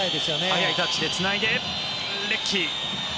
速いタッチでつないでレッキー。